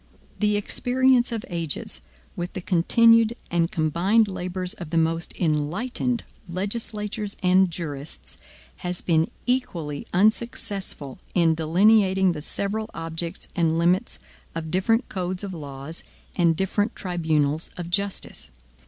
The experience of ages, with the continued and combined labors of the most enlightened legislatures and jurists, has been equally unsuccessful in delineating the several objects and limits of different codes of laws and different tribunals of justice.